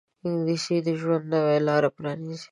انګلیسي د ژوند نوې لارې پرانیزي